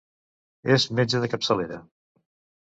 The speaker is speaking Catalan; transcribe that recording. És metge de capçalera.